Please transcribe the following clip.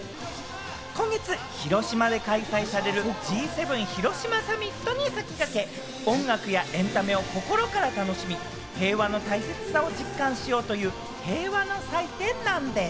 今月、広島で開催されるＧ７広島サミットに先駆け、音楽やエンタメを心から楽しみ、平和の大切さを実感しようという平和の祭典なんでぃす！